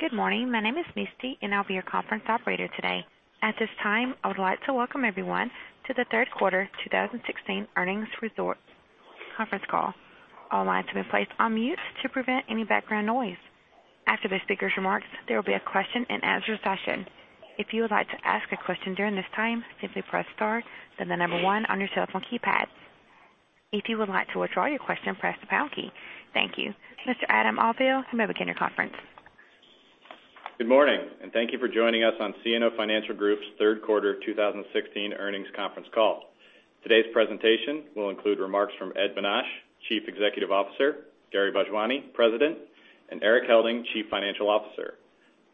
Good morning. My name is Misty, and I will be your conference operator today. At this time, I would like to welcome everyone to the third quarter 2016 earnings results conference call. All lines have been placed on mute to prevent any background noise. After the speakers' remarks, there will be a question and answer session. If you would like to ask a question during this time, simply press star, then 1 on your cell phone keypad. If you would like to withdraw your question, press the pound key. Thank you. Mr. Adam Auvil, you may begin your conference. Good morning. Thank you for joining us on CNO Financial Group's third quarter 2016 earnings conference call. Today's presentation will include remarks from Ed Bonach, Chief Executive Officer, Gary Bhojwani, President, and Erik Helding, Chief Financial Officer.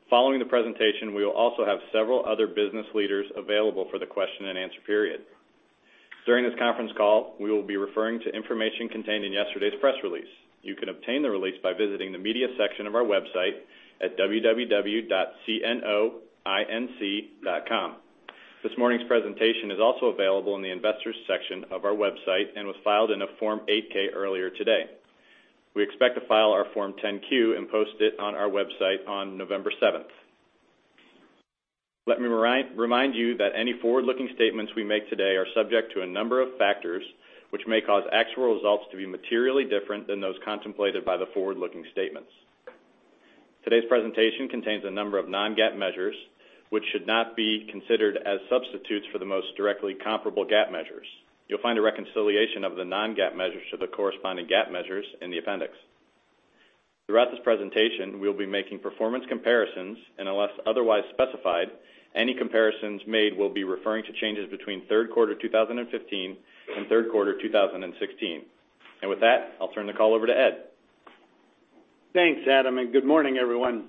Following the presentation, we will also have several other business leaders available for the question and answer period. During this conference call, we will be referring to information contained in yesterday's press release. You can obtain the release by visiting the media section of our website at www.cnoinc.com. This morning's presentation is also available in the investors section of our website and was filed in a Form 8-K earlier today. We expect to file our Form 10-Q and post it on our website on November 7th. Let me remind you that any forward-looking statements we make today are subject to a number of factors, which may cause actual results to be materially different than those contemplated by the forward-looking statements. Today's presentation contains a number of non-GAAP measures, which should not be considered as substitutes for the most directly comparable GAAP measures. You will find a reconciliation of the non-GAAP measures to the corresponding GAAP measures in the appendix. Throughout this presentation, we will be making performance comparisons, and unless otherwise specified, any comparisons made will be referring to changes between third quarter 2015 and third quarter 2016. With that, I will turn the call over to Ed. Thanks, Adam. Good morning, everyone.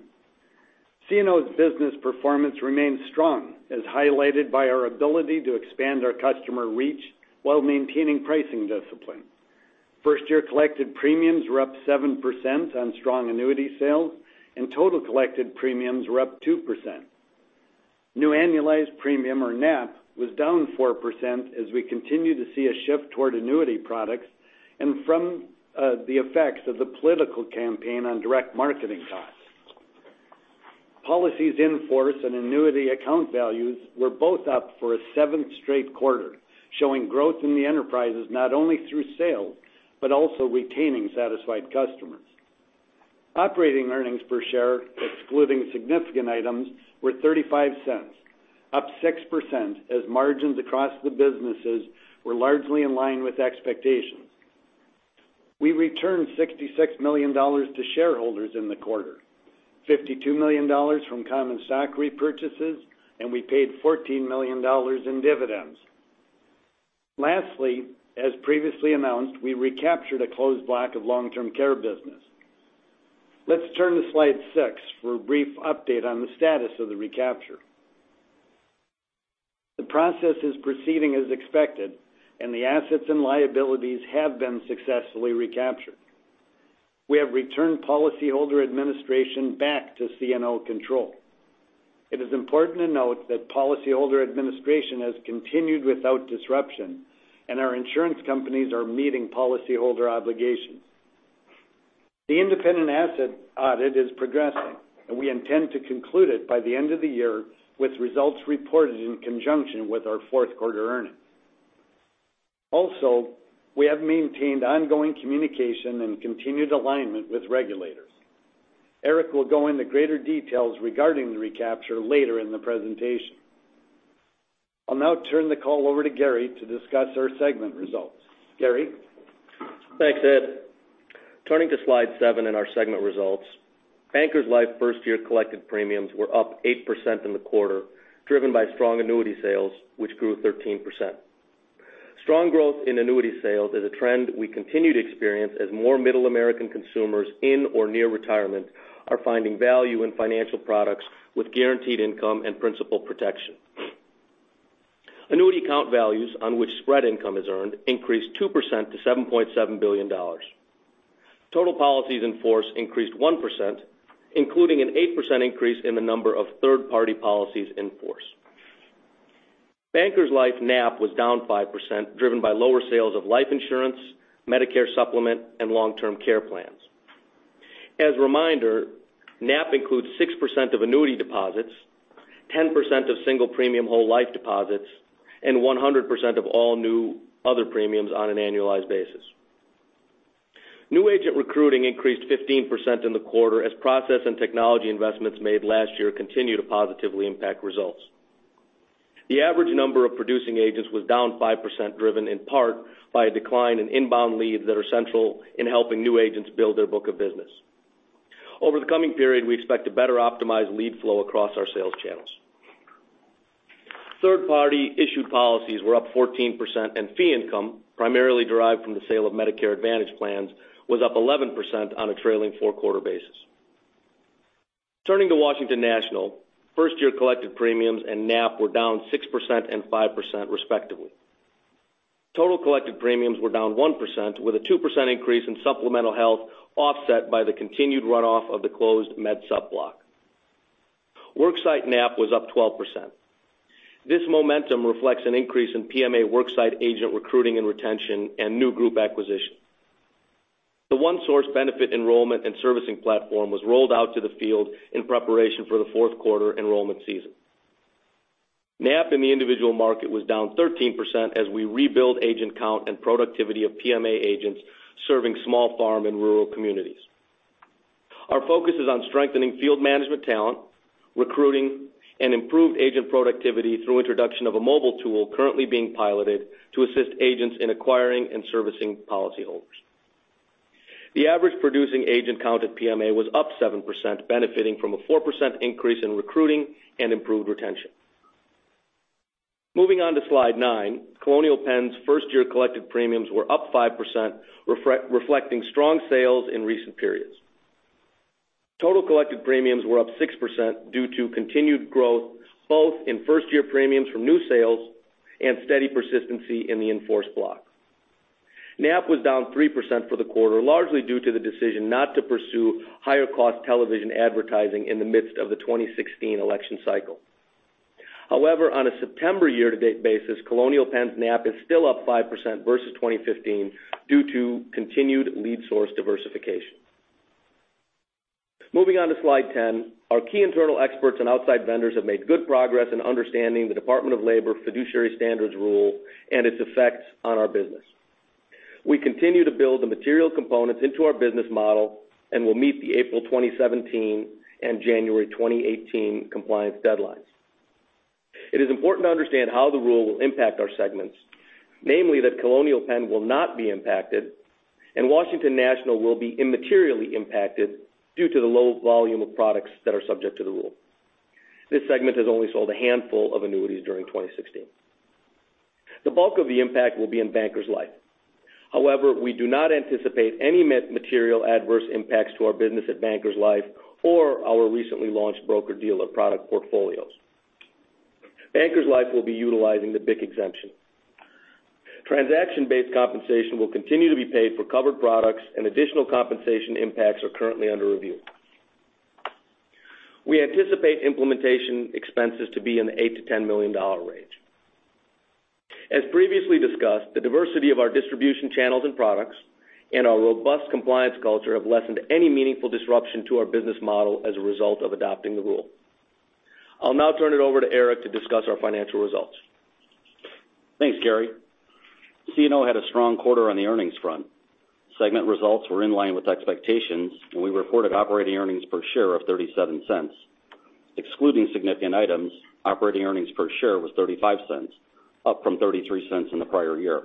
CNO's business performance remains strong, as highlighted by our ability to expand our customer reach while maintaining pricing discipline. First-year collected premiums were up 7% on strong annuity sales, and total collected premiums were up 2%. New annualized premium, or NAP, was down 4% as we continue to see a shift toward annuity products and from the effects of the political campaign on direct marketing costs. Policies in force and annuity account values were both up for a seventh straight quarter, showing growth in the enterprises not only through sales but also retaining satisfied customers. Operating earnings per share, excluding significant items, were $0.35, up 6% as margins across the businesses were largely in line with expectations. We returned $66 million to shareholders in the quarter, $52 million from common stock repurchases, and we paid $14 million in dividends. Lastly, as previously announced, we recaptured a closed block of long-term care business. Let's turn to slide six for a brief update on the status of the recapture. The process is proceeding as expected, and the assets and liabilities have been successfully recaptured. We have returned policyholder administration back to CNO control. It is important to note that policyholder administration has continued without disruption, and our insurance companies are meeting policyholder obligations. The independent asset audit is progressing, and we intend to conclude it by the end of the year, with results reported in conjunction with our fourth quarter earnings. We have maintained ongoing communication and continued alignment with regulators. Erik will go into greater details regarding the recapture later in the presentation. I'll now turn the call over to Gary to discuss our segment results. Gary? Thanks, Ed. Turning to slide seven in our segment results. Bankers Life first-year collected premiums were up 8% in the quarter, driven by strong annuity sales, which grew 13%. Strong growth in annuity sales is a trend we continue to experience as more middle American consumers in or near retirement are finding value in financial products with guaranteed income and principal protection. Annuity count values on which spread income is earned increased 2% to $7.7 billion. Total policies in force increased 1%, including an 8% increase in the number of third-party policies in force. Bankers Life NAP was down 5%, driven by lower sales of life insurance, Medicare Supplement, and long-term care plans. As a reminder, NAP includes 6% of annuity deposits, 10% of single premium whole life deposits, and 100% of all new other premiums on an annualized basis. New agent recruiting increased 15% in the quarter as process and technology investments made last year continue to positively impact results. The average number of producing agents was down 5%, driven in part by a decline in inbound leads that are central in helping new agents build their book of business. The coming period, we expect to better optimize lead flow across our sales channels. Third-party issued policies were up 14%, and fee income, primarily derived from the sale of Medicare Advantage plans, was up 11% on a trailing four-quarter basis. Turning to Washington National. First-year collected premiums and NAP were down 6% and 5%, respectively. Total collected premiums were down 1%, with a 2% increase in Supplemental Health offset by the continued runoff of the closed Medicare Supplement block. Worksite NAP was up 12%. This momentum reflects an increase in PMA worksite agent recruiting and retention and new group acquisition. The ONE SOURCE benefit enrollment and servicing platform was rolled out to the field in preparation for the fourth quarter enrollment season. NAP in the individual market was down 13% as we rebuild agent count and productivity of PMA agents serving small farm and rural communities. Our focus is on strengthening field management talent, recruiting, and improved agent productivity through introduction of a mobile tool currently being piloted to assist agents in acquiring and servicing policyholders. The average producing agent count at PMA was up 7%, benefiting from a 4% increase in recruiting and improved retention. Moving on to slide nine, Colonial Penn's first-year collected premiums were up 5%, reflecting strong sales in recent periods. Total collected premiums were up 6% due to continued growth both in first-year premiums from new sales and steady persistency in the in-force block. NAP was down 3% for the quarter, largely due to the decision not to pursue higher-cost television advertising in the midst of the 2016 election cycle. However, on a September year-to-date basis, Colonial Penn's NAP is still up 5% versus 2015 due to continued lead source diversification. Moving on to slide 10, our key internal experts and outside vendors have made good progress in understanding the Department of Labor fiduciary standards rule and its effects on our business. We continue to build the material components into our business model, and will meet the April 2017 and January 2018 compliance deadlines. It is important to understand how the rule will impact our segments, namely that Colonial Penn will not be impacted, and Washington National will be immaterially impacted due to the low volume of products that are subject to the rule. This segment has only sold a handful of annuities during 2016. The bulk of the impact will be in Bankers Life. However, we do not anticipate any material adverse impacts to our business at Bankers Life or our recently launched broker-dealer product portfolios. Bankers Life will be utilizing the BIC exemption. Transaction-based compensation will continue to be paid for covered products, and additional compensation impacts are currently under review. We anticipate implementation expenses to be in the $8 million-$10 million range. As previously discussed, the diversity of our distribution channels and products and our robust compliance culture have lessened any meaningful disruption to our business model as a result of adopting the rule. I'll now turn it over to Erik to discuss our financial results. Thanks, Gary. CNO had a strong quarter on the earnings front. Segment results were in line with expectations, and we reported operating earnings per share of $0.37. Excluding significant items, operating earnings per share was $0.35, up from $0.33 in the prior year.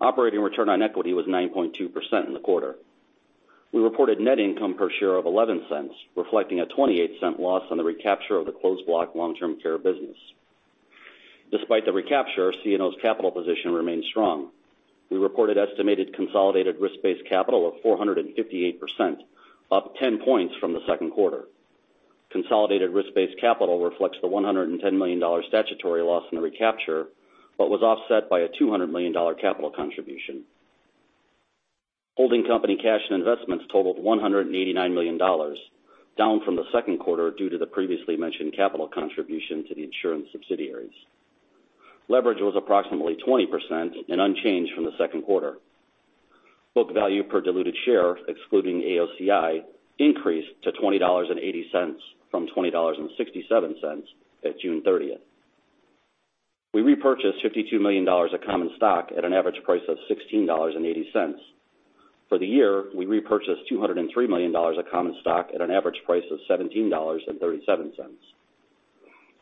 Operating return on equity was 9.2% in the quarter. We reported net income per share of $0.11, reflecting a $0.28 loss on the recapture of the closed block long-term care business. Despite the recapture, CNO's capital position remains strong. We reported estimated consolidated risk-based capital of 458%, up 10 points from the second quarter. Consolidated risk-based capital reflects the $110 million statutory loss in the recapture, but was offset by a $200 million capital contribution. Holding company cash and investments totaled $189 million, down from the second quarter due to the previously mentioned capital contribution to the insurance subsidiaries. Leverage was approximately 20% and unchanged from the second quarter. Book value per diluted share, excluding AOCI, increased to $20.80 from $20.67 at June 30th. We repurchased $52 million of common stock at an average price of $16.80. For the year, we repurchased $203 million of common stock at an average price of $17.37.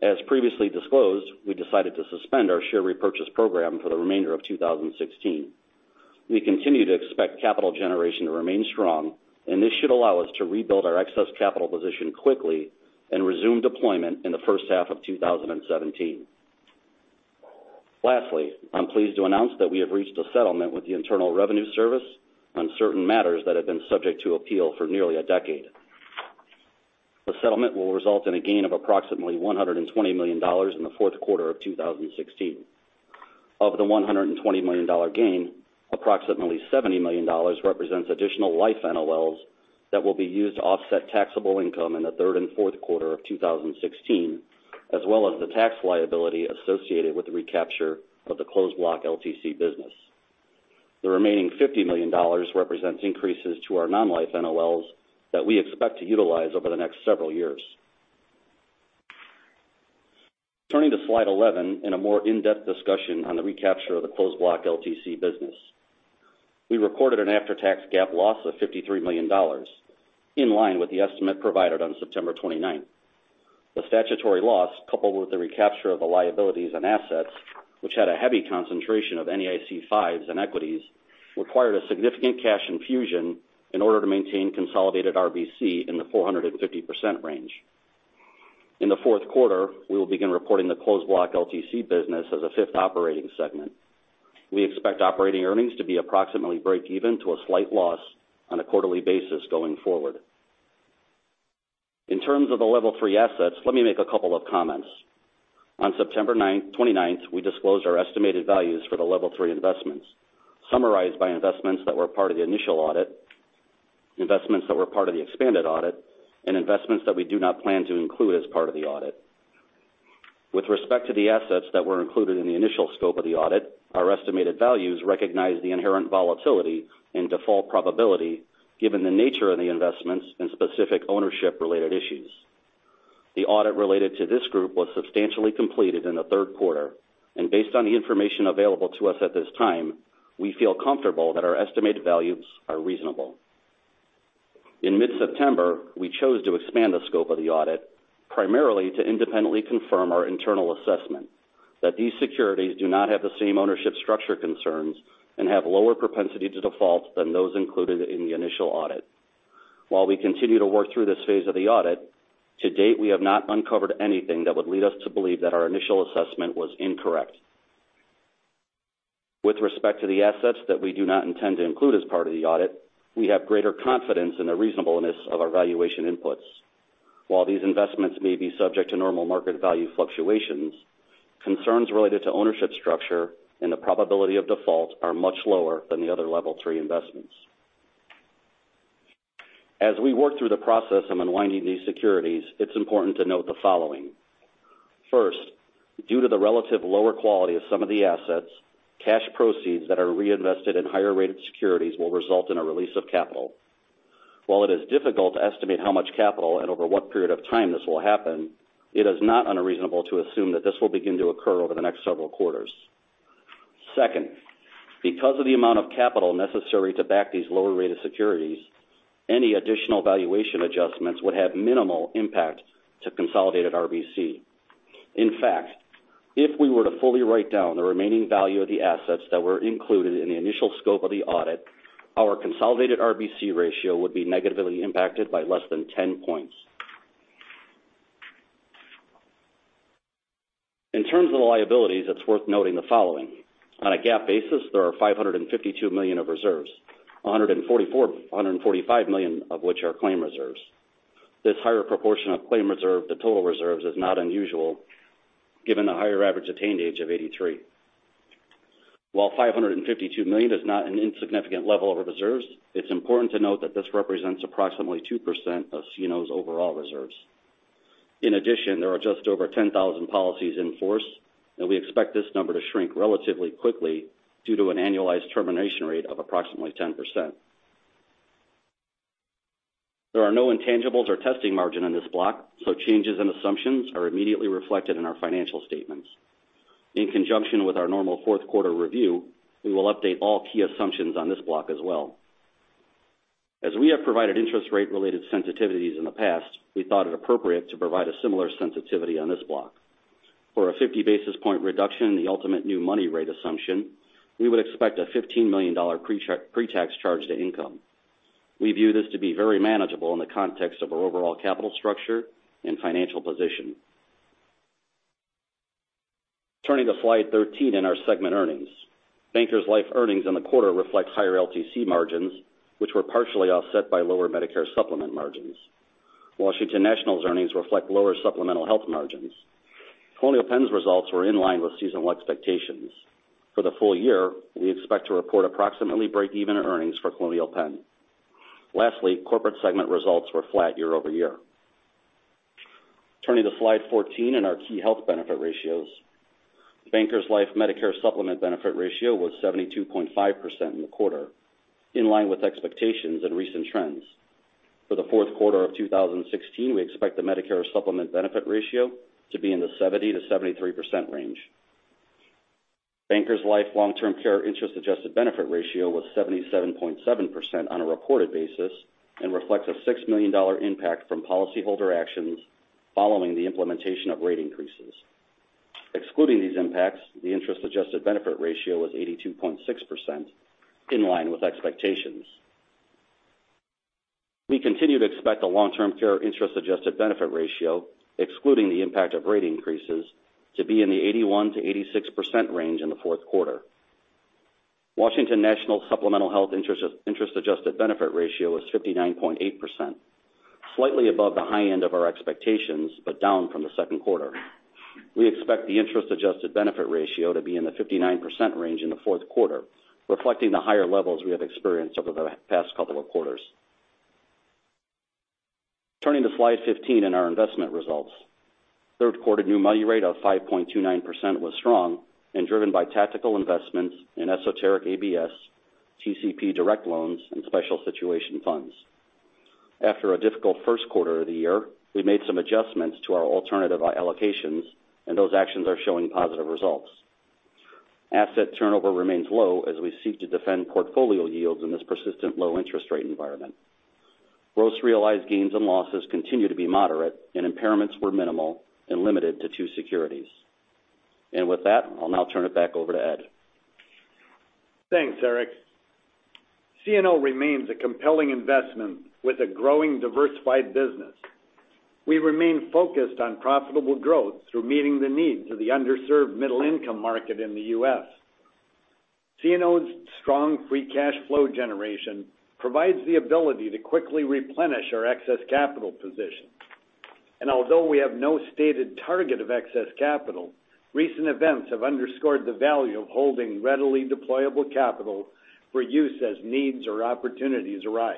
As previously disclosed, we decided to suspend our share repurchase program for the remainder of 2016. We continue to expect capital generation to remain strong, and this should allow us to rebuild our excess capital position quickly and resume deployment in the first half of 2017. Lastly, I'm pleased to announce that we have reached a settlement with the Internal Revenue Service on certain matters that have been subject to appeal for nearly a decade. The settlement will result in a gain of approximately $120 million in the fourth quarter of 2016. Of the $120 million gain, approximately $70 million represents additional life NOLs that will be used to offset taxable income in the third and fourth quarter of 2016, as well as the tax liability associated with the recapture of the closed block LTC business. The remaining $50 million represents increases to our non-life NOLs that we expect to utilize over the next several years. Turning to slide 11 and a more in-depth discussion on the recapture of the closed block LTC business. We recorded an after-tax GAAP loss of $53 million, in line with the estimate provided on September 29th. The statutory loss, coupled with the recapture of the liabilities and assets, which had a heavy concentration of NAIC 5s and equities, required a significant cash infusion in order to maintain consolidated RBC in the 450% range. In the fourth quarter, we will begin reporting the closed block LTC business as a fifth operating segment. We expect operating earnings to be approximately break even to a slight loss on a quarterly basis going forward. In terms of the Level 3 assets, let me make a couple of comments. On September 29th, we disclosed our estimated values for the Level 3 investments, summarized by investments that were part of the initial audit, investments that were part of the expanded audit, and investments that we do not plan to include as part of the audit. With respect to the assets that were included in the initial scope of the audit, our estimated values recognize the inherent volatility and default probability given the nature of the investments and specific ownership-related issues. The audit related to this group was substantially completed in the third quarter. Based on the information available to us at this time, we feel comfortable that our estimated values are reasonable. In mid-September, we chose to expand the scope of the audit primarily to independently confirm our internal assessment that these securities do not have the same ownership structure concerns and have lower propensity to default than those included in the initial audit. While we continue to work through this phase of the audit, to date, we have not uncovered anything that would lead us to believe that our initial assessment was incorrect. With respect to the assets that we do not intend to include as part of the audit, we have greater confidence in the reasonableness of our valuation inputs. While these investments may be subject to normal market value fluctuations, concerns related to ownership structure and the probability of default are much lower than the other Level 3 investments. As we work through the process of unwinding these securities, it is important to note the following. First, due to the relative lower quality of some of the assets, cash proceeds that are reinvested in higher-rated securities will result in a release of capital. While it is difficult to estimate how much capital and over what period of time this will happen, it is not unreasonable to assume that this will begin to occur over the next several quarters. Second, because of the amount of capital necessary to back these lower-rated securities, any additional valuation adjustments would have minimal impact to consolidated RBC. In fact, if we were to fully write down the remaining value of the assets that were included in the initial scope of the audit, our consolidated RBC ratio would be negatively impacted by less than 10 points. In terms of the liabilities, it is worth noting the following. On a GAAP basis, there are $552 million of reserves, $145 million of which are claim reserves. This higher proportion of claim reserve to total reserves is not unusual given the higher average attained age of 83. While $552 million is not an insignificant level of reserves, it is important to note that this represents approximately 2% of CNO's overall reserves. In addition, there are just over 10,000 policies in force, and we expect this number to shrink relatively quickly due to an annualized termination rate of approximately 10%. There are no intangibles or testing margin in this block, Changes in assumptions are immediately reflected in our financial statements. In conjunction with our normal fourth quarter review, we will update all key assumptions on this block as well. We have provided interest rate-related sensitivities in the past, we thought it appropriate to provide a similar sensitivity on this block. For a 50-basis-point reduction in the ultimate new money rate assumption, we would expect a $15 million pre-tax charge to income. We view this to be very manageable in the context of our overall capital structure and financial position. Turning to slide 13 and our segment earnings. Bankers Life earnings in the quarter reflect higher LTC margins, which were partially offset by lower Medicare Supplement margins. Washington National's earnings reflect lower Supplemental Health margins. Colonial Penn's results were in line with seasonal expectations. For the full year, we expect to report approximately breakeven earnings for Colonial Penn. Lastly, corporate segment results were flat year-over-year. Turning to slide 14 and our key health benefit ratios. Bankers Life Medicare Supplement benefit ratio was 72.5% in the quarter, in line with expectations and recent trends. For the fourth quarter of 2016, we expect the Medicare Supplement benefit ratio to be in the 70%-73% range. Bankers Life long-term care interest-adjusted benefit ratio was 77.7% on a reported basis and reflects a $6 million impact from policyholder actions following the implementation of rate increases. Excluding these impacts, the interest-adjusted benefit ratio was 82.6%, in line with expectations. We continue to expect the long-term care interest-adjusted benefit ratio, excluding the impact of rate increases, to be in the 81%-86% range in the fourth quarter. Washington National Supplemental Health interest-adjusted benefit ratio was 59.8%, slightly above the high end of our expectations, but down from the second quarter. We expect the interest-adjusted benefit ratio to be in the 59% range in the fourth quarter, reflecting the higher levels we have experienced over the past couple of quarters. Turning to slide 15 and our investment results. Third quarter new money rate of 5.29% was strong and driven by tactical investments in esoteric ABS, TCP direct loans, and special situation funds. After a difficult first quarter of the year, we made some adjustments to our alternative allocations. Those actions are showing positive results. Asset turnover remains low as we seek to defend portfolio yields in this persistent low-interest-rate environment. Gross realized gains and losses continue to be moderate. Impairments were minimal and limited to two securities. With that, I'll now turn it back over to Ed. Thanks, Erik. CNO remains a compelling investment with a growing, diversified business. We remain focused on profitable growth through meeting the needs of the underserved middle-income market in the U.S. CNO's strong free cash flow generation provides the ability to quickly replenish our excess capital position. Although we have no stated target of excess capital, recent events have underscored the value of holding readily deployable capital for use as needs or opportunities arise.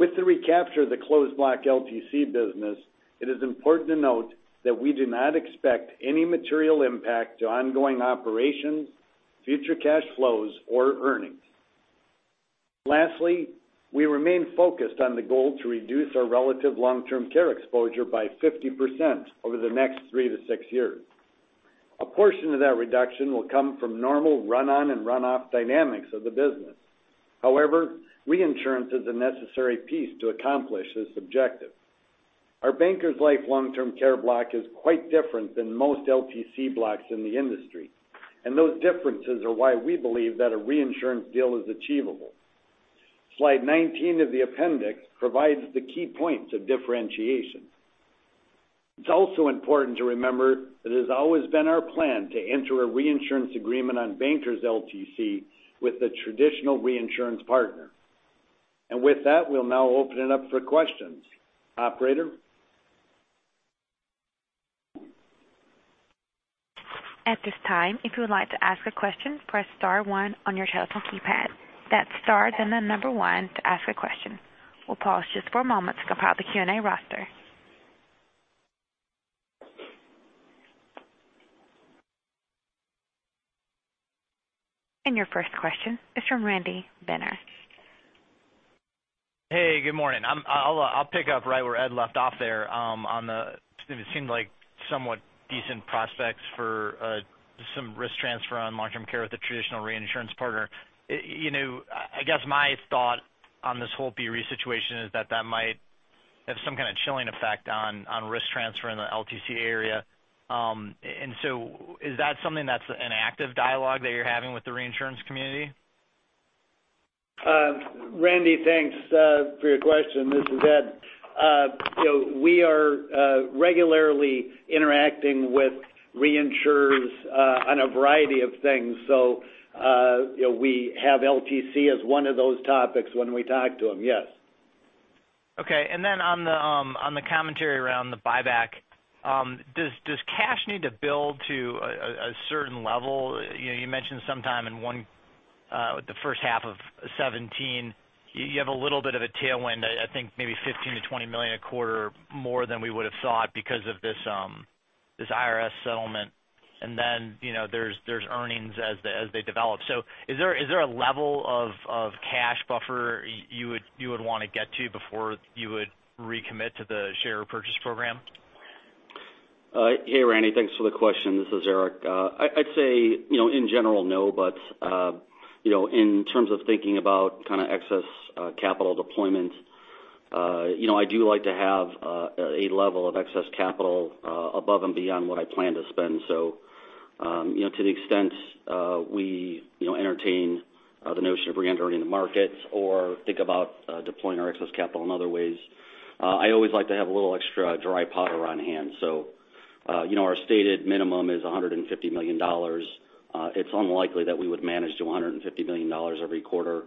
With the recapture of the closed block LTC business, it is important to note that we do not expect any material impact to ongoing operations, future cash flows, or earnings. Lastly, we remain focused on the goal to reduce our relative long-term care exposure by 50% over the next three to six years. A portion of that reduction will come from normal run-on and run-off dynamics of the business. However, reinsurance is a necessary piece to accomplish this objective. Our Bankers Life long-term care block is quite different than most LTC blocks in the industry, and those differences are why we believe that a reinsurance deal is achievable. Slide 19 of the appendix provides the key points of differentiation. It's also important to remember that it has always been our plan to enter a reinsurance agreement on Bankers LTC with a traditional reinsurance partner. With that, we'll now open it up for questions. Operator? At this time, if you would like to ask a question, press star one on your telephone keypad. That's star, then the number one to ask a question. We'll pause just for a moment to compile the Q&A roster. Your first question is from Randy Binner. Hey, good morning. I'll pick up right where Ed left off there on the, it seemed like somewhat decent prospects for some risk transfer on long-term care with a traditional reinsurance partner. I guess my thought on this whole BRe situation is that that might have some kind of chilling effect on risk transfer in the LTC area. Is that something that's an active dialogue that you're having with the reinsurance community? Randy, thanks for your question. This is Ed. We are regularly interacting with reinsurers on a variety of things. We have LTC as one of those topics when we talk to them, yes. Okay. On the commentary around the buyback, does cash need to build to a certain level? You mentioned sometime in the first half of 2017, you have a little bit of a tailwind, I think maybe $15 million-$20 million a quarter more than we would've thought because of this IRS settlement, there's earnings as they develop. Is there a level of cash buffer you would want to get to before you would recommit to the share purchase program? Hey, Randy. Thanks for the question. This is Erik. I'd say, in general, no, but in terms of thinking about kind of excess capital deployment, I do like to have a level of excess capital above and beyond what I plan to spend. To the extent we entertain the notion of re-entering the market or think about deploying our excess capital in other ways, I always like to have a little extra dry powder on hand. Our stated minimum is $150 million. It's unlikely that we would manage to $150 million every quarter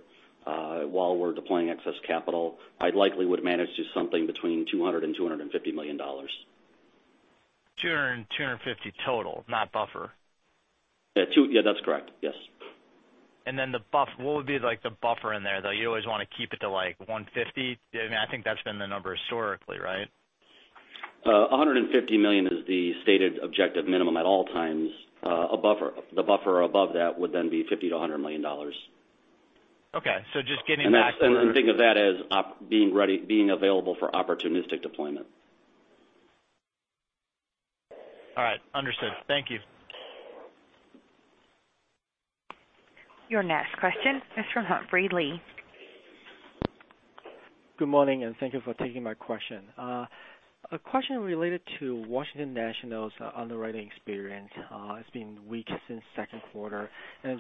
while we're deploying excess capital. I'd likely manage to something between $200 million and $250 million. $200 and $250 total, not buffer. Yeah, that's correct. Yes. Then what would be the buffer in there, though? You always want to keep it to 150? I think that's been the number historically, right? 150 million is the stated objective minimum at all times. The buffer above that would then be $50-$100 million. Okay. Just getting back to- Think of that as being available for opportunistic deployment. All right. Understood. Thank you. Your next question is from Humphrey Lee. Good morning, and thank you for taking my question. A question related to Washington National's underwriting experience. It's been weak since second quarter.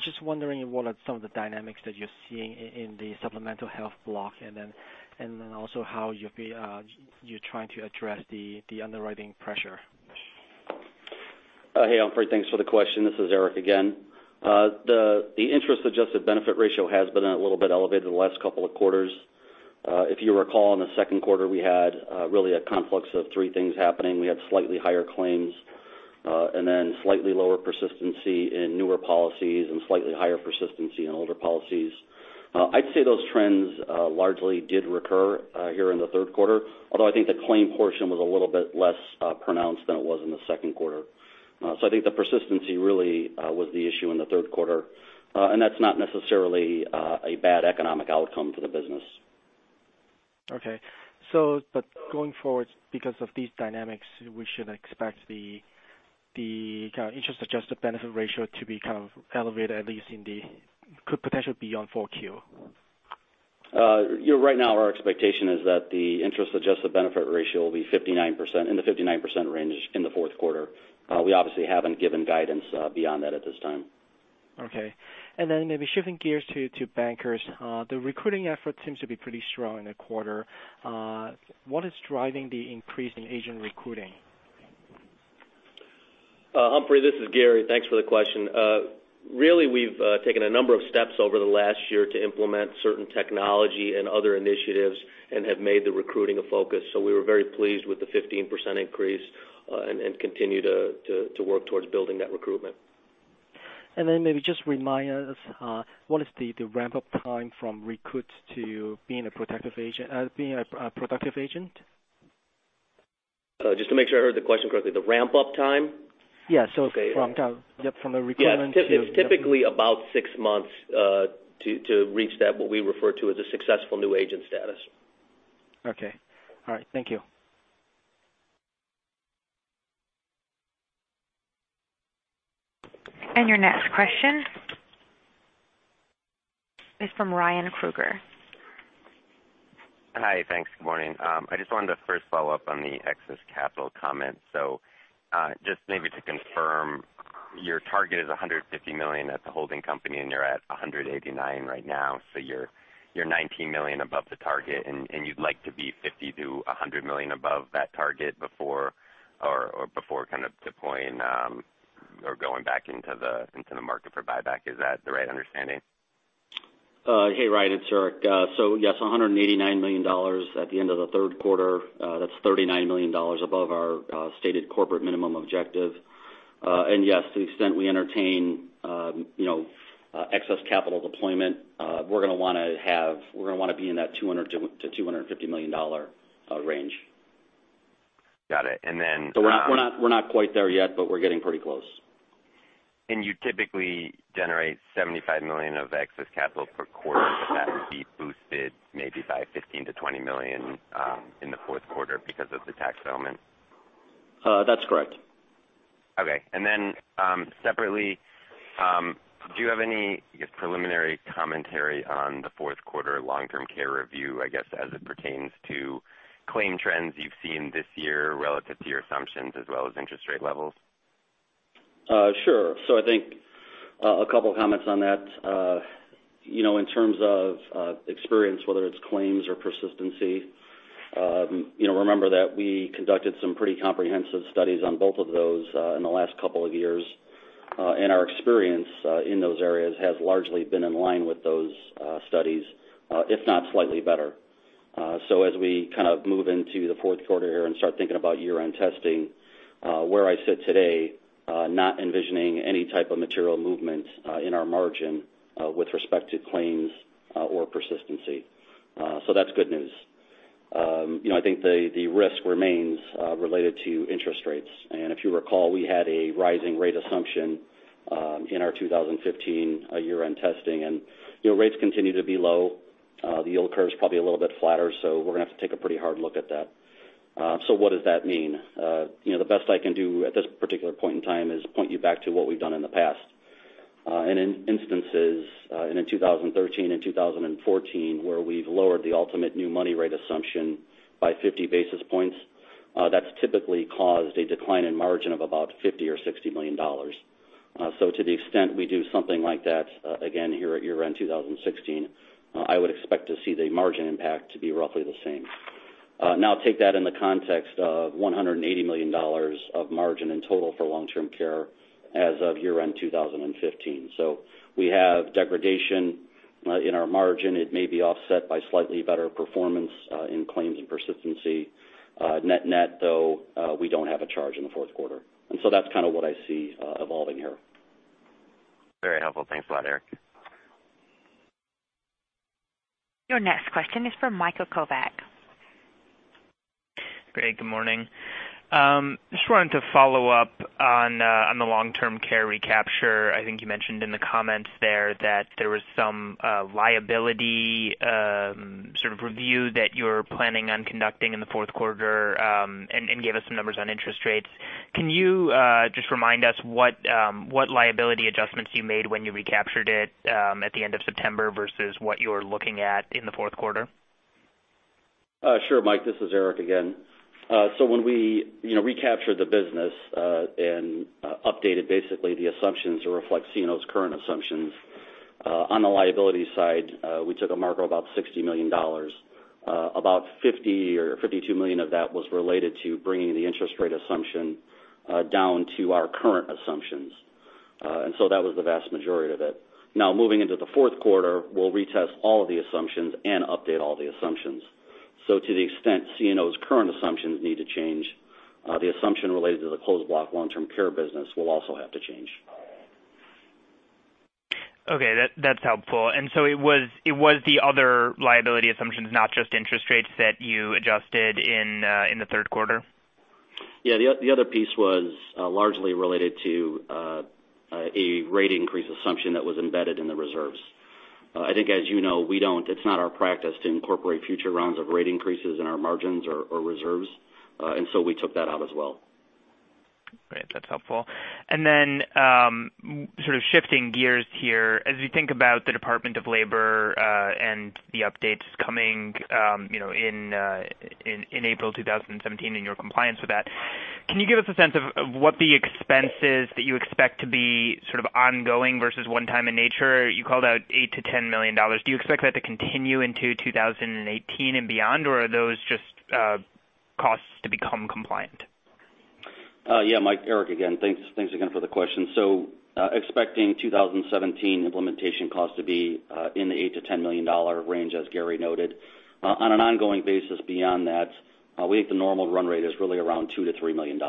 Just wondering what are some of the dynamics that you're seeing in the Supplemental Health block, and then also how you're trying to address the underwriting pressure. Hey, Humphrey. Thanks for the question. This is Erik again. The interest-adjusted benefit ratio has been a little bit elevated the last couple of quarters. If you recall, in the second quarter, we had really a confluence of three things happening. We had slightly higher claims, and then slightly lower persistency in newer policies and slightly higher persistency in older policies. I'd say those trends largely did recur here in the third quarter, although I think the claim portion was a little bit less pronounced than it was in the second quarter. I think the persistency really was the issue in the third quarter. That's not necessarily a bad economic outcome for the business. Okay. Going forward, because of these dynamics, we should expect the interest-adjusted benefit ratio to be kind of elevated, at least could potentially be on 4Q? Right now our expectation is that the interest-adjusted benefit ratio will be in the 59% range in the fourth quarter. We obviously haven't given guidance beyond that at this time. Okay. Then maybe shifting gears to Bankers. The recruiting effort seems to be pretty strong in the quarter. What is driving the increase in agent recruiting? Humphrey, this is Gary. Thanks for the question. Really, we've taken a number of steps over the last year to implement certain technology and other initiatives and have made the recruiting a focus. We were very pleased with the 15% increase and continue to work towards building that recruitment. Then maybe just remind us, what is the ramp-up time from recruit to being a productive agent? Just to make sure I heard the question correctly, the ramp-up time? Yeah. From the recruitment. Yeah. It's typically about six months to reach that, what we refer to as a successful new agent status. Okay. All right. Thank you. Your next question is from Ryan Krueger. Hi. Thanks. Good morning. I just wanted to first follow up on the excess capital comment. Just maybe to confirm, your target is $150 million at the holding company, and you're at $189 right now. You're $19 million above the target, and you'd like to be $50 million-$100 million above that target before kind of deploying or going back into the market for buyback. Is that the right understanding? Hey, Ryan. It's Erik. Yes, $189 million at the end of the third quarter. That's $39 million above our stated corporate minimum objective. Yes, to the extent we entertain excess capital deployment, we're going to want to be in that $200 million-$250 million range. Got it. We're not quite there yet, but we're getting pretty close. You typically generate $75 million of excess capital per quarter. Would that be boosted maybe by $15 million-$20 million in the fourth quarter because of the tax settlement? That's correct. Okay. Separately, do you have any, I guess, preliminary commentary on the fourth quarter long-term care review, I guess, as it pertains to claim trends you've seen this year relative to your assumptions as well as interest rate levels? Sure. I think a couple of comments on that. In terms of experience, whether it's claims or persistency, remember that we conducted some pretty comprehensive studies on both of those in the last couple of years. Our experience in those areas has largely been in line with those studies, if not slightly better. As we kind of move into the fourth quarter here and start thinking about year-end testing, where I sit today, not envisioning any type of material movement in our margin with respect to claims or persistency. That's good news. I think the risk remains related to interest rates. If you recall, we had a rising rate assumption in our 2015 year-end testing. Rates continue to be low. The yield curve's probably a little bit flatter, we're going to have to take a pretty hard look at that. What does that mean? The best I can do at this particular point in time is point you back to what we've done in the past. In instances in 2013 and 2014 where we've lowered the ultimate new money rate assumption by 50 basis points, that's typically caused a decline in margin of about $50 or $60 million. To the extent we do something like that again here at year-end 2016, I would expect to see the margin impact to be roughly the same. Now take that in the context of $180 million of margin in total for long-term care as of year-end 2015. We have degradation in our margin. It may be offset by slightly better performance in claims and persistency. Net net, though, we don't have a charge in the fourth quarter. That's kind of what I see evolving here. Very helpful. Thanks a lot, Erik. Your next question is from Michael Kovac. Great. Good morning. Just wanted to follow up on the long-term care recapture. I think you mentioned in the comments there that there was some liability sort of review that you're planning on conducting in the fourth quarter and gave us some numbers on interest rates. Can you just remind us what liability adjustments you made when you recaptured it at the end of September versus what you're looking at in the fourth quarter? Sure, Mike, this is Erik again. When we recaptured the business and updated basically the assumptions to reflect CNO's current assumptions, on the liability side we took a marker of about $60 million. About $50 or $52 million of that was related to bringing the interest rate assumption down to our current assumptions. That was the vast majority of it. Now moving into the fourth quarter, we'll retest all of the assumptions and update all the assumptions. To the extent CNO's current assumptions need to change, the assumption related to the closed block long-term care business will also have to change. Okay. That's helpful. It was the other liability assumptions, not just interest rates that you adjusted in the third quarter? Yeah, the other piece was largely related to a rate increase assumption that was embedded in the reserves. I think as you know, it's not our practice to incorporate future rounds of rate increases in our margins or reserves, we took that out as well. Great. That's helpful. Sort of shifting gears here, as you think about the Department of Labor and the updates coming in April 2017 and your compliance with that, can you give us a sense of what the expenses that you expect to be sort of ongoing versus one-time in nature? You called out $8 million-$10 million. Do you expect that to continue into 2018 and beyond, or are those just costs to become compliant? Yeah, Mike. Erik again. Thanks again for the question. Expecting 2017 implementation costs to be in the $8 million-$10 million range, as Gary noted. On an ongoing basis beyond that, we think the normal run rate is really around $2 million-$3 million.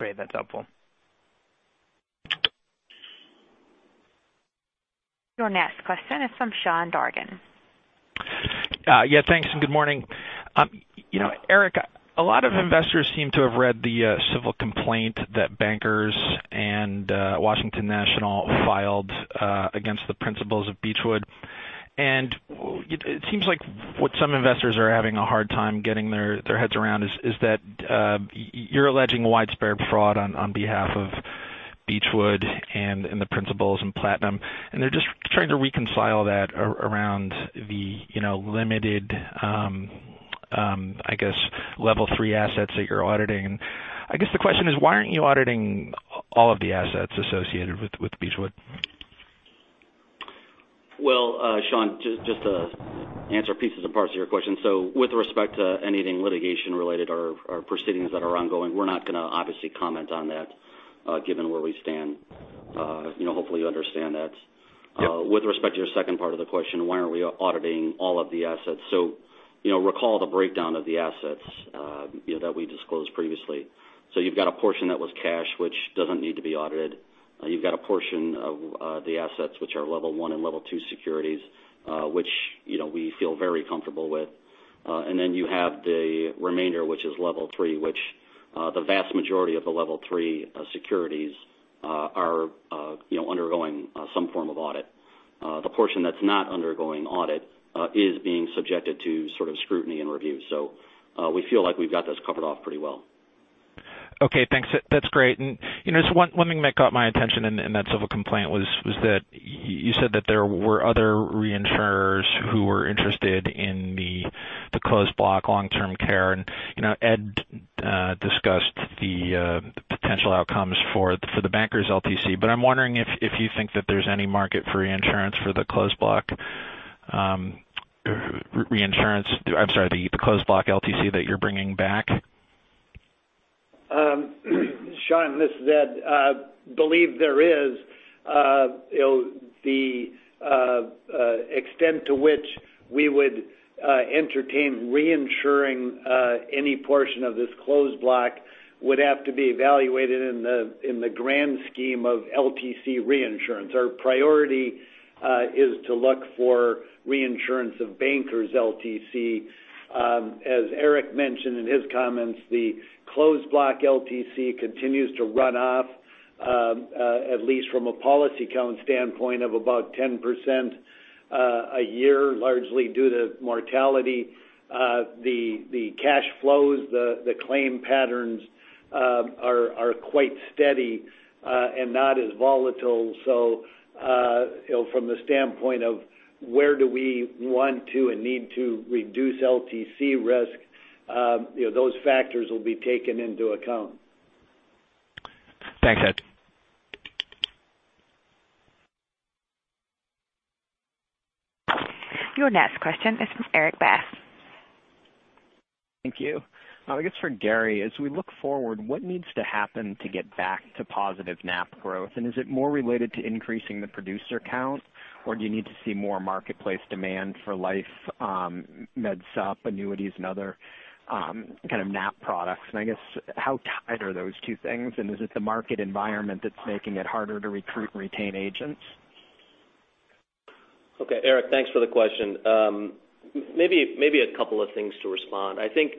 Great. That's helpful. Your next question is from Sean Dargan. Thanks, and good morning. Erik, a lot of investors seem to have read the civil complaint that Bankers and Washington National filed against the principals of Beechwood. It seems like what some investors are having a hard time getting their heads around is that you are alleging widespread fraud on behalf of Beechwood and the principals in Platinum, and they are just trying to reconcile that around the limited, I guess, Level 3 assets that you are auditing. I guess the question is, why are not you auditing all of the assets associated with Beechwood? Sean, just to answer pieces and parts of your question. With respect to anything litigation related or proceedings that are ongoing, we are not going to obviously comment on that given where we stand. Hopefully you understand that. Yeah. With respect to your second part of the question, why are not we auditing all of the assets? Recall the breakdown of the assets that we disclosed previously. You have got a portion that was cash, which does not need to be audited. You have got a portion of the assets, which are Level 1 and Level 2 securities, which we feel very comfortable with. Then you have the remainder, which is Level 3, which the vast majority of the Level 3 securities are undergoing some form of audit. The portion that is not undergoing audit is being subjected to scrutiny and review. We feel like we have got those covered off pretty well. Thanks. That is great. Just one thing that caught my attention in that civil complaint was that you said that there were other reinsurers who were interested in the closed block long-term care. Ed discussed the potential outcomes for the Bankers LTC. I am wondering if you think that there is any market for reinsurance for the closed block LTC that you are bringing back. Sean, this is Ed. Believe there is. The extent to which we would entertain reinsuring any portion of this closed block would have to be evaluated in the grand scheme of LTC reinsurance. Our priority is to look for reinsurance of Bankers Life LTC. As Erik mentioned in his comments, the closed block LTC continues to run off, at least from a policy count standpoint of about 10% a year, largely due to mortality. The cash flows, the claim patterns are quite steady and not as volatile. From the standpoint of where do we want to and need to reduce LTC risk, those factors will be taken into account. Thanks, Ed. Your next question is from Erik Bass. Thank you. I guess for Gary, as we look forward, what needs to happen to get back to positive NAP growth? Is it more related to increasing the producer count, or do you need to see more marketplace demand for life, Medicare Supplement, annuities and other kind of NAP products? I guess how tied are those two things, and is it the market environment that's making it harder to recruit and retain agents? Okay. Erik, thanks for the question. Maybe a couple of things to respond. I think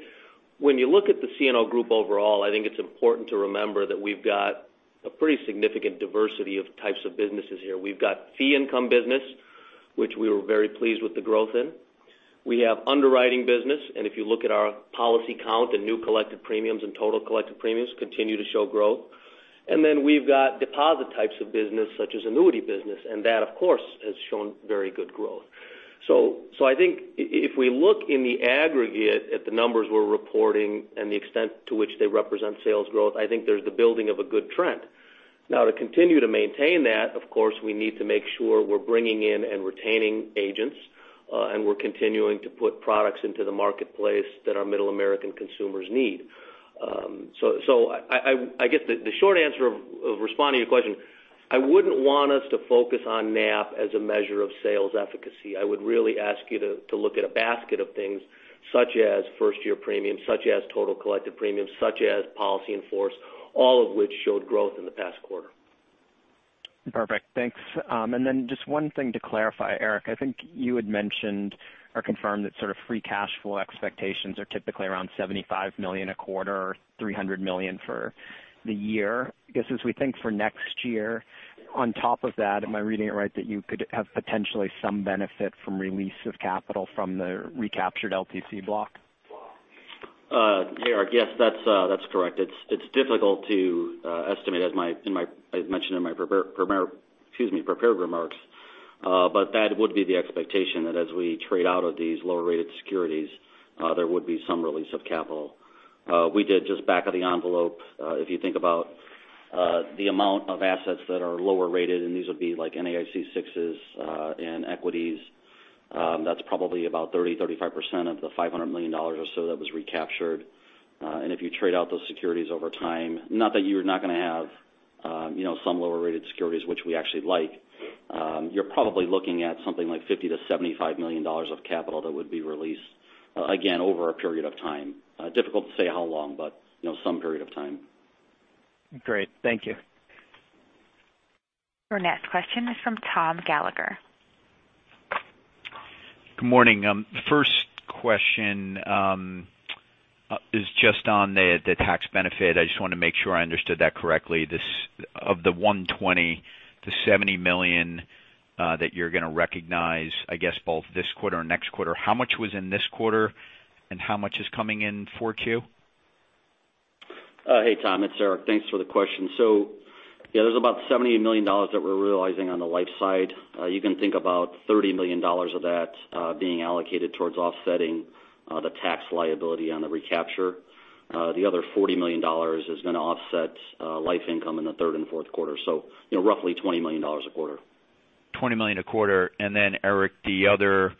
when you look at the CNO Group overall, I think it's important to remember that we've got a pretty significant diversity of types of businesses here. We've got fee income business, which we were very pleased with the growth in. We have underwriting business, and if you look at our policy count and new collected premiums and total collected premiums continue to show growth. Then we've got deposit types of business such as annuity business, and that of course, has shown very good growth. I think if we look in the aggregate at the numbers we're reporting and the extent to which they represent sales growth, I think there's the building of a good trend. To continue to maintain that, of course, we need to make sure we're bringing in and retaining agents, and we're continuing to put products into the marketplace that our middle American consumers need. I guess the short answer of responding to your question, I wouldn't want us to focus on NAP as a measure of sales efficacy. I would really ask you to look at a basket of things such as first-year premiums, such as total collected premiums, such as policy in force, all of which showed growth in the past quarter. Perfect. Thanks. Then just one thing to clarify, Erik, I think you had mentioned or confirmed that sort of free cash flow expectations are typically around $75 million a quarter or $300 million for the year. I guess, as we think for next year on top of that, am I reading it right that you could have potentially some benefit from release of capital from the recaptured LTC block? Hey, Erik. Yes, that's correct. It's difficult to estimate, as I mentioned in my prepared remarks. That would be the expectation that as we trade out of these lower-rated securities, there would be some release of capital. We did just back of the envelope, if you think about the amount of assets that are lower rated, and these would be like NAIC 6 and equities. That's probably about 30%-35% of the $500 million or so that was recaptured. If you trade out those securities over time, not that you're not going to have some lower-rated securities, which we actually like, you're probably looking at something like $50 million-$75 million of capital that would be released, again, over a period of time. Difficult to say how long, but some period of time. Great. Thank you. Your next question is from Tom Gallagher. Good morning. The first question is just on the tax benefit. I just want to make sure I understood that correctly. Of the $120 million-$70 million that you're going to recognize, I guess, both this quarter and next quarter, how much was in this quarter and how much is coming in 4Q? Hey, Tom, it's Erik. Thanks for the question. Yeah, there's about $70 million that we're realizing on the life side. You can think about $30 million of that being allocated towards offsetting the tax liability on the recapture. The other $40 million is going to offset life income in the third and fourth quarter. Roughly $20 million a quarter. $20 million a quarter. Erik, the other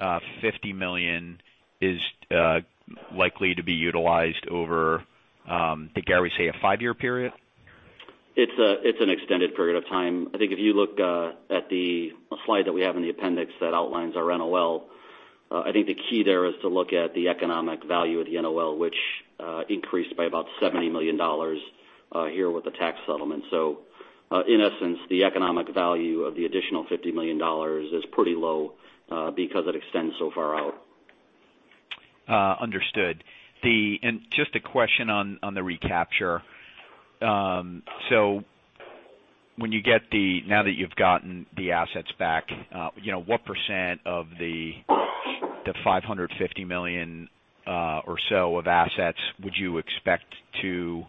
$50 million is likely to be utilized over, did Gary say a 5-year period? It's an extended period of time. I think if you look at the slide that we have in the appendix that outlines our NOL, I think the key there is to look at the economic value of the NOL, which increased by about $70 million here with the tax settlement. In essence, the economic value of the additional $50 million is pretty low because it extends so far out. Understood. Just a question on the recapture. Now that you've gotten the assets back, what percent of the $550 million or so of assets would you expect to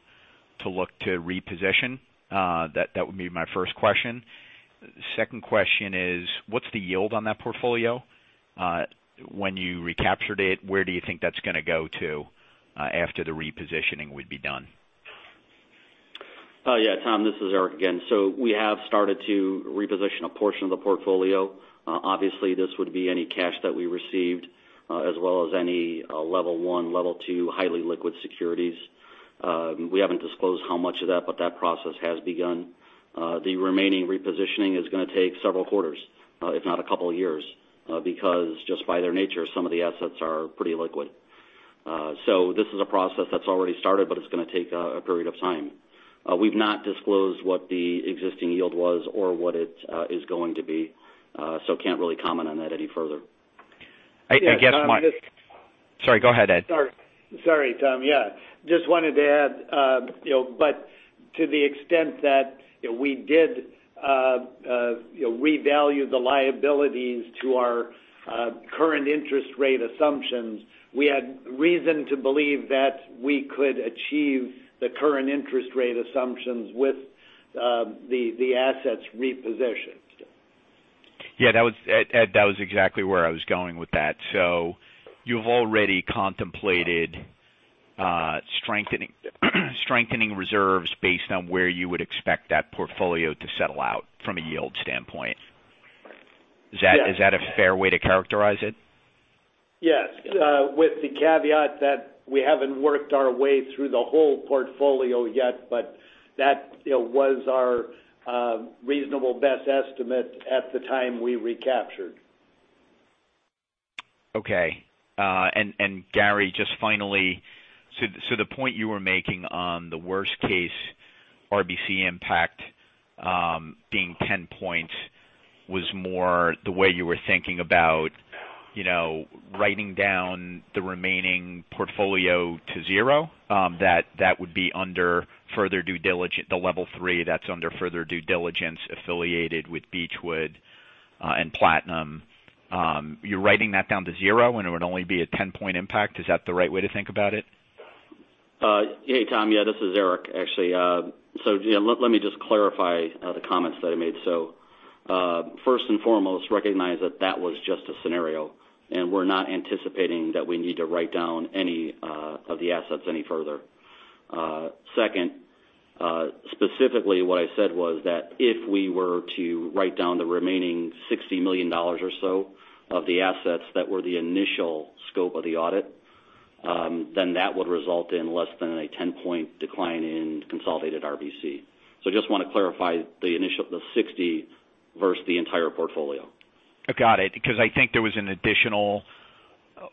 look to reposition? That would be my first question. Second question is, what's the yield on that portfolio? When you recaptured it, where do you think that's going to go to after the repositioning would be done? Tom, this is Erik again. We have started to reposition a portion of the portfolio. Obviously, this would be any cash that we received as well as any Level 1, Level 2 highly liquid securities. We haven't disclosed how much of that, but that process has begun. The remaining repositioning is going to take several quarters if not a couple of years because just by their nature, some of the assets are pretty liquid. This is a process that's already started, but it's going to take a period of time. We've not disclosed what the existing yield was or what it is going to be, so can't really comment on that any further. I guess my- Yeah, Tom, just- Sorry, go ahead, Ed. Sorry, Tom. Yeah, just wanted to add but to the extent that we did revalue the liabilities to our current interest rate assumptions, we had reason to believe that we could achieve the current interest rate assumptions with the assets repositioned. Ed, that was exactly where I was going with that. You've already contemplated strengthening reserves based on where you would expect that portfolio to settle out from a yield standpoint. Yes. Is that a fair way to characterize it? Yes. With the caveat that we haven't worked our way through the whole portfolio yet, but that was our reasonable best estimate at the time we recaptured. Okay. Gary, just finally, so the point you were making on the worst-case RBC impact being 10 points was more the way you were thinking about writing down the remaining portfolio to zero. That would be the Level 3 that's under further due diligence affiliated with Beechwood and Platinum. You're writing that down to zero, and it would only be a 10-point impact. Is that the right way to think about it? Hey, Tom. Yeah, this is Erik, actually. Let me just clarify the comments that I made. First and foremost, recognize that that was just a scenario, and we're not anticipating that we need to write down any of the assets any further. Second, specifically what I said was that if we were to write down the remaining $60 million or so of the assets that were the initial scope of the audit, that would result in less than a 10-point decline in consolidated RBC. I just want to clarify the initial, the 60 versus the entire portfolio. Got it. Because I think there was an additional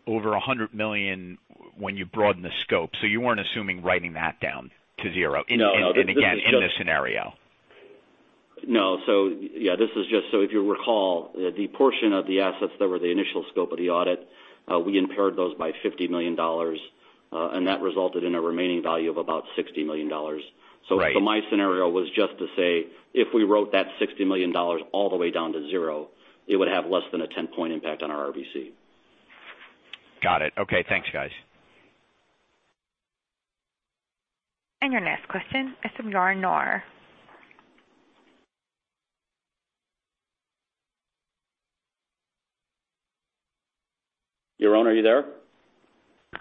over $100 million when you broaden the scope. You weren't assuming writing that down to zero- No Again, in this scenario. No. Yeah. If you recall, the portion of the assets that were the initial scope of the audit we impaired those by $50 million, and that resulted in a remaining value of about $60 million. Right. my scenario was just to say, if we wrote that $60 million all the way down to zero, it would have less than a 10-point impact on our RBC. Got it. Okay. Thanks, guys. Your next question is from Yaron Kinar. Yaron, are you there?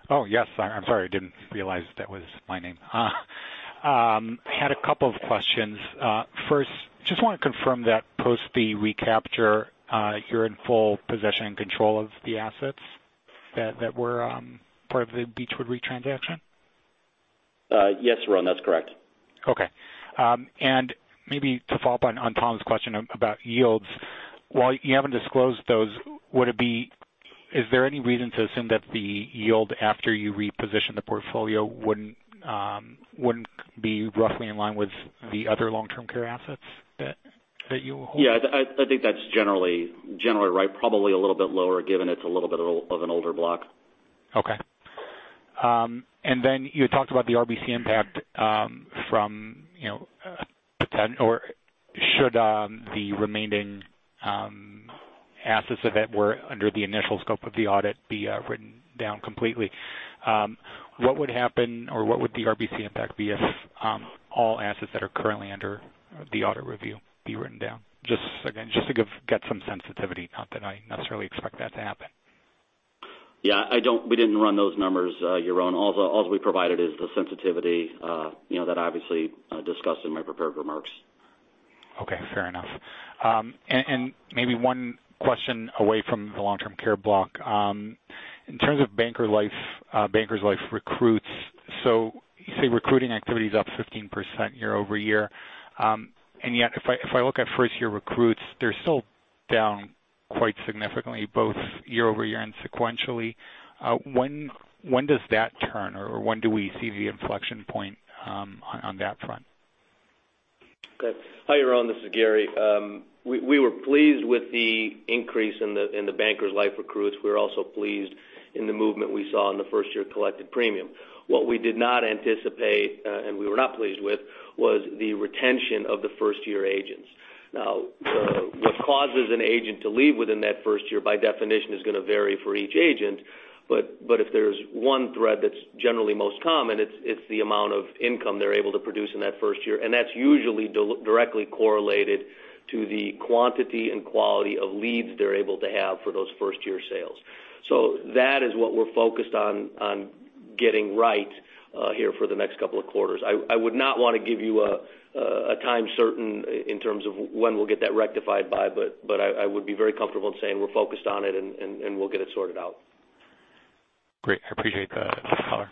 Oh, yes. I'm sorry. I didn't realize that was my name. I had a couple of questions. First, just want to confirm that post the recapture, you're in full possession and control of the assets that were part of the Beechwood Re transaction. Yes, Yaron, that's correct. Okay. Maybe to follow up on Tom's question about yields. While you haven't disclosed those, is there any reason to assume that the yield after you reposition the portfolio wouldn't be roughly in line with the other long-term care assets that you hold? Yeah, I think that's generally right. Probably a little bit lower, given it's a little bit of an older block. Okay. You talked about the RBC impact from potential or should the remaining assets, if it were under the initial scope of the audit, be written down completely. What would happen or what would the RBC impact be if all assets that are currently under the audit review be written down? Just again, just to get some sensitivity, not that I necessarily expect that to happen. Yeah, we didn't run those numbers, Yaron. All we provided is the sensitivity that I obviously discussed in my prepared remarks. Okay, fair enough. Maybe one question away from the long-term care block. In terms of Bankers Life recruits, you say recruiting activity is up 15% year-over-year. Yet, if I look at first-year recruits, they're still down quite significantly, both year-over-year and sequentially. When does that turn, or when do we see the inflection point on that front? Good. Hi, Yaron, this is Gary. We were pleased with the increase in the Bankers Life recruits. We're also pleased in the movement we saw in the first-year collected premium. What we did not anticipate, and we were not pleased with, was the retention of the first-year agents. What causes an agent to leave within that first year, by definition, is going to vary for each agent. If there's one thread that's generally most common, it's the amount of income they're able to produce in that first year, and that's usually directly correlated to the quantity and quality of leads they're able to have for those first-year sales. That is what we're focused on getting right here for the next couple of quarters. I would not want to give you a time certain in terms of when we'll get that rectified by, but I would be very comfortable in saying we're focused on it, and we'll get it sorted out. Great. I appreciate the color.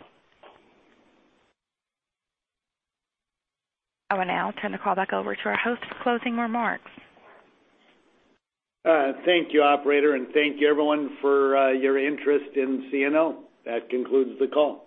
I will now turn the call back over to our host for closing remarks. Thank you, operator, and thank you everyone for your interest in CNO. That concludes the call.